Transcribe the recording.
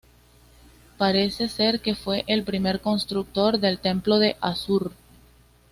Parece ser que fue el primer constructor del templo de Assur.